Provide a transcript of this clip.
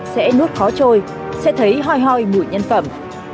sẽ nuốt khó trôi sẽ thấy hoi hoi mùi nhân phẩm